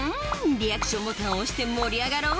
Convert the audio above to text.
リアクションボタンを押して盛り上がろう！